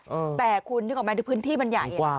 แต่คุณนึกออกมาที่ค่ะถึงพื้นที่มันใหญ่